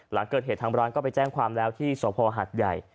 หลังเกิดเหตุทางร้านก็ไปแจ้งความแล้วที่สภหัดใหญ่